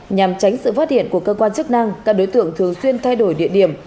nhằm tránh sự phát hiện của cơ quan chức năng các đối tượng thường xuyên thay đổi địa điểm